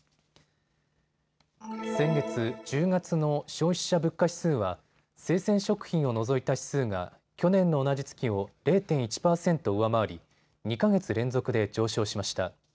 先月１０月の消費者物価指数は生鮮食品を除いた指数が去年の同じ月を０．１％上回り、２か月連続で上昇しました。